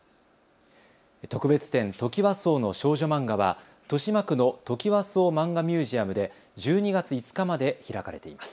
特別展、トキワ荘の少女マンガは豊島区のトキワ荘マンガミュージアムで１２月５日まで開かれています。